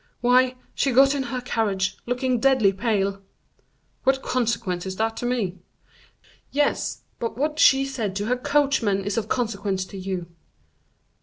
"Why, she got into her carriage, looking deadly pale." "What consequence is that to me?" "Yes, but what she said to her coachman is of consequence to you."